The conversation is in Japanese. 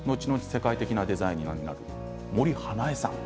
世界的なデザイナーになる森英恵さん。